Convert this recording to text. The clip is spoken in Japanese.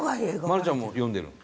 愛菜ちゃんも読んでるの？